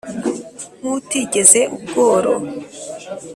nk'utigeze ubworo